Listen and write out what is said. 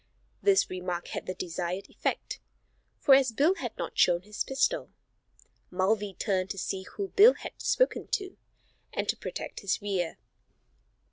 This remark had the desired effect, for as Bill had not shown his pistol, Mulvey turned to see who Bill had spoken to, and to protect his rear.